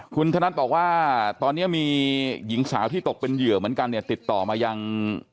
คุณธนัทบอกว่าตอนนี้มีหญิงสาวที่ตกเป็นเหยื่อเหมือนกันเนี่ยติดต่อมายัง